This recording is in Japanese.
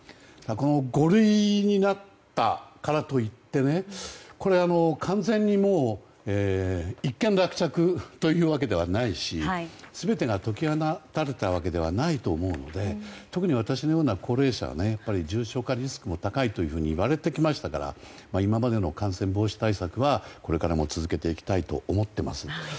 ５類になったからといって完全に一件落着というわけではないし全てが解き放たれたわけではないと思うので特に私のような高齢者は重症化リスクも高いといわれてきましたから今までの感染防止対策はこれからも続けていきたいと思ってます。